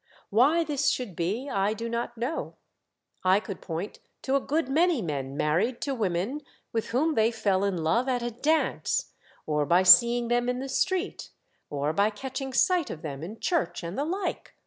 Why this should be I do not know. I could point to a good many men married to women with whom they fell in love at a dance, or by seeing them in the street, or by catching sight of them in church and the like.